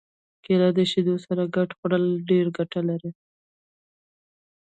کېله د شیدو سره ګډه خوړل ډېره ګټه لري.